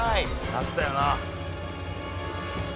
夏だよな。